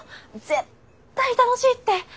絶対楽しいって。